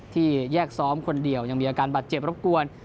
ที่แยกซ้อมคนเดียวยังมีอาการบัตรเจตรรับกวน